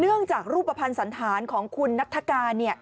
เนื่องจากรูปภัณฑ์สันธารของคุณนัฐกาเนี่ย